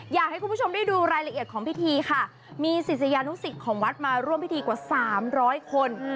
อยากให้คุณผู้ชมได้ดูรายละเอียดของพิธีค่ะมีศิษยานุสิตของวัดมาร่วมพิธีกว่า๓๐๐คน